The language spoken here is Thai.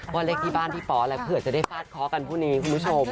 ว่าเลขที่บ้านพี่ป๋ออะไรเผื่อจะได้ฟาดเคาะกันพรุ่งนี้คุณผู้ชม